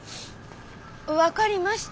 分かりました。